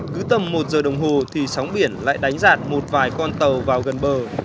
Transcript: cứ tầm một giờ đồng hồ thì sóng biển lại đánh giặt một vài con tàu vào gần bờ